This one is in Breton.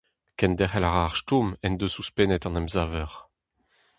Kenderc'hel a ra ar stourm en deus ouzhpennet an emsaver.